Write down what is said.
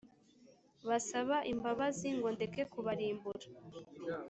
basaba imbabazi ngo ndeke kubarimbura